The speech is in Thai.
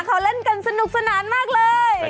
เขาเล่นกันสนุกสนานมากเลย